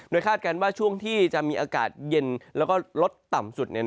คาดการณ์ว่าช่วงที่จะมีอากาศเย็นแล้วก็ลดต่ำสุด